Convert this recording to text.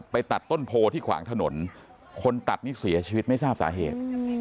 ตัดต้นโพที่ขวางถนนคนตัดนี่เสียชีวิตไม่ทราบสาเหตุ